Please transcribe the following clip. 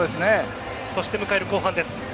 そして迎える後半です。